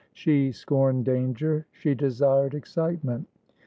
She scorned danger; she desired excitement.